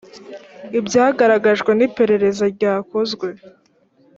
ibyagaragajwe n iperereza ryakozwe